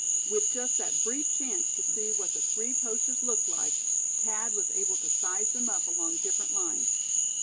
With just that brief chance to see what the three poachers looked like, Thad was able to size them up along different lines.